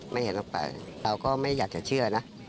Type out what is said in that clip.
ไม่เห็นออกไปเราก็ไม่อยากจะเชื่อนะ